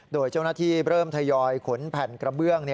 โดยเจ้าหน้าที่เริ่มทยอยขนแผ่นกระเบื้อง